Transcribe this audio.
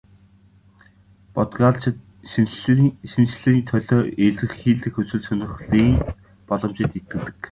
Бодгальчид шинэчлэлийн төлөө эрэлхийлэх хүсэл сонирхлын боломжид итгэдэг.